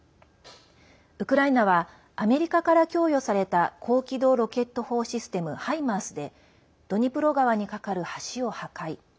ウクライナはアメリカから供与された高機動ロケット砲システム「ハイマース」でドニプロ川に架かる橋を破壊。